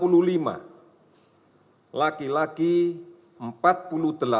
enam puluh tiga laki laki tiga puluh empat tahun nampak sakit ringan sedang